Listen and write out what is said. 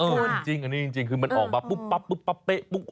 จริงอันนี้จริงคือมันออกมาปุ๊บปั๊บปุ๊บปั๊บเป๊ะปุ๊บ